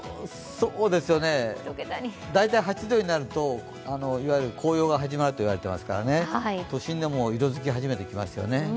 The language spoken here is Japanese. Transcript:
大体、８度になるといわゆる紅葉が始まるといわれていますから都心でも色づき始めてきますよね。